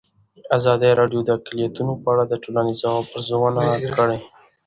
ازادي راډیو د اقلیتونه په اړه د ټولنې د ځواب ارزونه کړې.